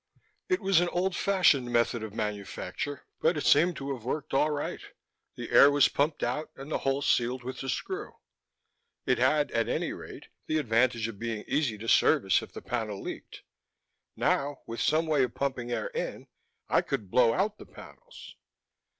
It was an old fashioned method of manufacture but it seemed to have worked all right: the air was pumped out and the hole sealed with the screw. It had at any rate the advantage of being easy to service if the panel leaked. Now, with some way of pumping air in, I could blow out the panels....